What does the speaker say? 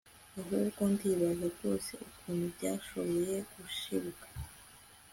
ahubwo ndibaza rwose ukuntu byashoboye gushibuka